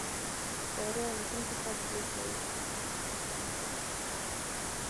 د طیارې الوتونکي ته پيلوټ وایي.